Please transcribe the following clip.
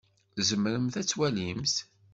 Tzemremt ad twalimt?